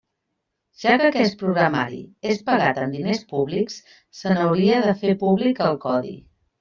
Ja que aquest programari és pagat amb diners públics, se n'hauria de fer públic el codi.